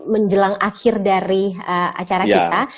menjelang akhir dari acara kita